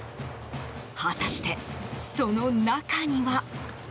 果たして、その中には。